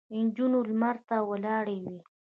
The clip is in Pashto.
نجونې لمر ته ولاړې وې.